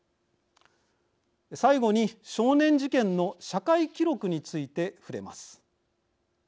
最後に少年事件の社会記録について触れます。